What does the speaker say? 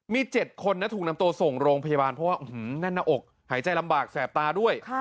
มี๗คนนะถูกนำตัวส่งโรงพยาบาลเพราะว่าแน่นหน้าอกหายใจลำบากแสบตาด้วย